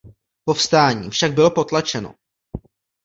Povstání však bylo potlačeno.